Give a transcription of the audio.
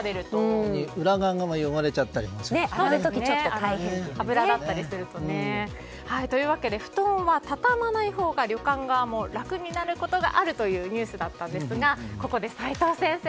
裏側が汚れちゃったりもするしね。というわけで布団は畳まないほうが旅館側も楽になることがあるというニュースだったんですがここで、齋藤先生